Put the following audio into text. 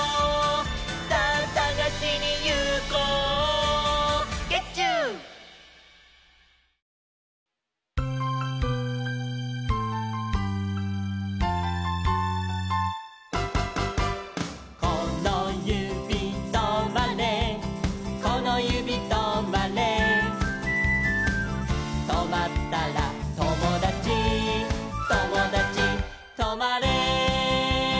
「さぁさがしにいこう」「ゲッチュー」「このゆびとまれこのゆびとまれ」「とまったらともだちともだちとまれ」